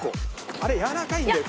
あれやわらかいんだよ